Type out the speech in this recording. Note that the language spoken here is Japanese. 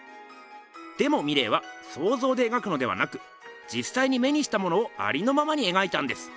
でもミレーはそうぞうで描くのではなくじっさいに目にしたものをありのままに描いたんです。